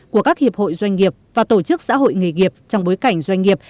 của các hiệp hội doanh nghiệp và tổ chức xã hội nghề nghiệp trong bối cảnh doanh nghiệp